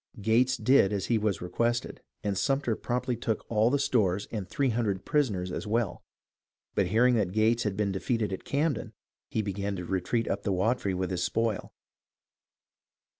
Gates did as he was requested, and Sumter promptly took all the stores and three hundred prisoners as well ; but hearing that Gates had been de feated at Camden, he began to retreat up the Wateree with his spoil.